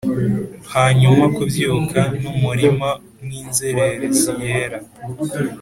hanyuma kubyuka, numurima, nkinzererezi yera